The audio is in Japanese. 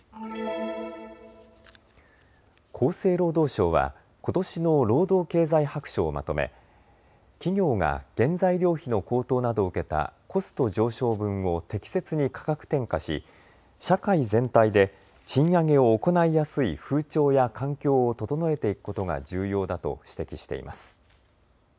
厚生労働省はことしの労働経済白書をまとめ企業が原材料費の高騰などを受けたコスト上昇分を適切に価格転嫁し社会全体で賃上げを行いやすい風潮や環境を整えていくことが重要だと指摘しています。